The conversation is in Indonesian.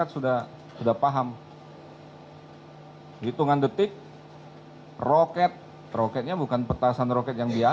saya akan mencoba